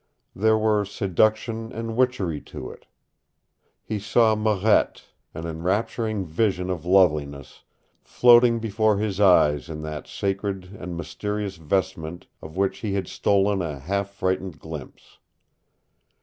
There were seduction and witchery to it. He saw Marette, an enrapturing vision of loveliness, floating before his eyes in that sacred and mysterious vestment of which he had stolen a half frightened glimpse.